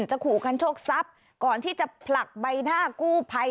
ขู่กันโชคทรัพย์ก่อนที่จะผลักใบหน้ากู้ภัย